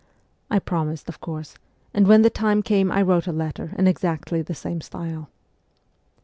I promised, of course, and when the time came I wrote a letter in exactly the same style.